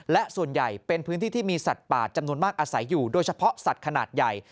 และส่วนใหญ่เป็นพื้นที่ที่มีสัตว์ป่าจำนวนมากอาศัยอยู่โดยเฉพาะสัตว์ขนาดใหญ่